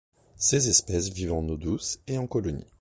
Ces espèces vivent en eau douce et en colonies.